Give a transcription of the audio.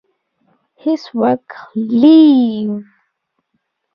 His work Live!